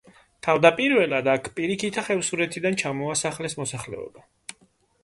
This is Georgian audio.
თავდაპირველად აქ პირიქითა ხევსურეთიდან ჩამოასახლეს მოსახლეობა.